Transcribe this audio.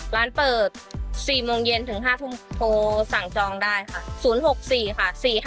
ร้านเปิด๔โมงเย็นถึง๕ทุ่มโทรสั่งจองได้ค่ะ๐๖๔ค่ะ